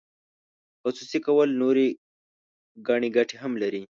خصوصي کول نورې ګڼې ګټې هم لري.